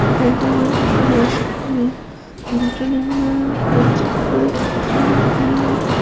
হায়দ্রাবাদে বোমা বিস্ফোরণ ঘটানো হয়েছিল ইরফানের ফোনের মাধ্যমে।